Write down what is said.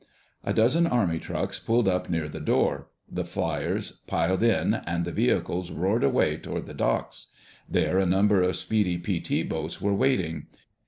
A dozen army trucks pulled up near the door. The fliers piled in, and the vehicles roared away toward the docks. There a number of speedy PT boats were waiting.